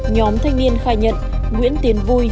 nhóm thanh niên khai nhận nguyễn tiến vui